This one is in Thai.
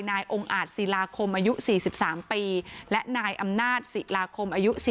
นายองอาจสิราคมอ๔๓ปีและนายอำนาจสิราคม